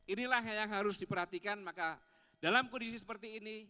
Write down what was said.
inilah yang harus diperhatikan maka dalam kondisi seperti ini